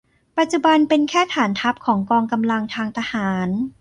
ปัจจุบันเป็นแค่ฐานทัพของกองกำลังทางทหาร